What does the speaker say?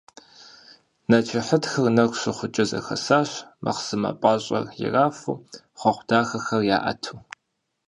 Нэчыхьытхыр нэху щыхукӏэ зэхэсащ, мэхъсымэ пӏащӏэр ирафу, хъуэхъу дахэхэр яӏэту.